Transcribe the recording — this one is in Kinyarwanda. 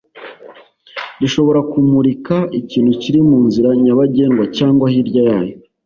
rishobora kumurika ikintu kiri mu nzira nyabagendwa cyangwa hirya yayo